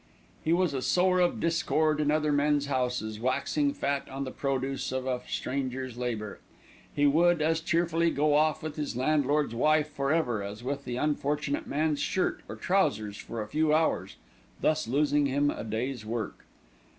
He was a sower of discord in other men's houses, waxing fat on the produce of a stranger's labour. He would as cheerfully go off with his landlord's wife for ever, as with the unfortunate man's shirt or trousers for a few hours, thus losing him a day's work.